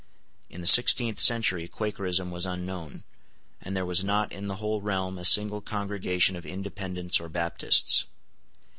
In the sixteenth century Quakerism was unknown; and there was not in the whole realm a single congregation of Independents or Baptists.